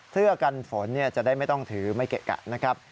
เสื้อกันฝนจะได้ไม่ต้องถือไม่เกะกะนะครับ